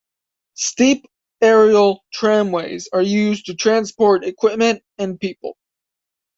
Steep aerial tramways are used to transport equipment and people.